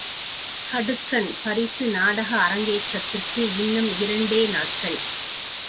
கடுக்கன் பரிசு நாடக அரங்கேற்றத்திற்கு இன்னும் இரண்டே நாட்கள்.